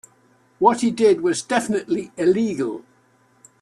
What he did was definitively illegal.